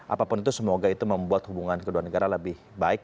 apapun itu semoga itu membuat hubungan kedua negara lebih baik